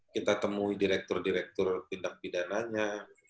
kita temui direktur direktur tindak pidananya